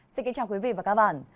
xin kính chào quý vị và các bạn